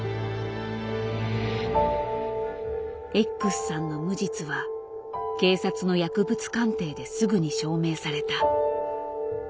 Ｘさんの無実は警察の薬物鑑定ですぐに証明された。